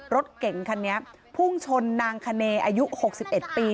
รถเก่งคันนี้พุ่งชนนางคเนย์อายุ๖๑ปี